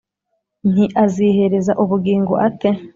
Nti: azihereza ubugingo ate